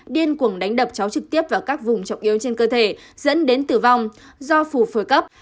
điên cuồng đánh đập cháu trực tiếp vào các vùng trọng yếu trên cơ thể dẫn đến tử vong do phù phổi cấp